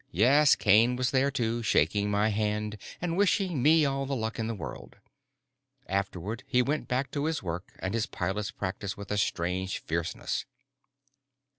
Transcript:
Yes, Kane was there too, shaking my hand and wishing me all the luck in the world. Afterward he went back to his work and his pilot's practice with a strange fierceness.